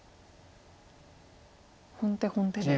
本手本手で。